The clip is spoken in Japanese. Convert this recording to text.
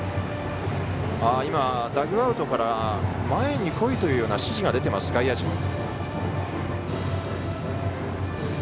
今、ダグアウトか前に来いというような指示が出ています、外野陣。